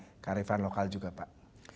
jadi karifan lokal juga pak